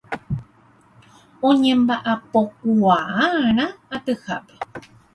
Oñembaʼapokuaaʼarã atyhápe.